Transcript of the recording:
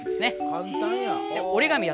簡単や。